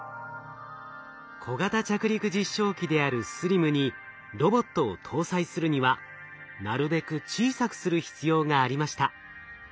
小型着陸実証機であるＳＬＩＭにロボットを搭載するにはなるべく小さくする必要がありました。